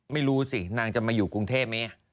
ไม่รู้สินางจะมาอยู่กรุงเทพไหม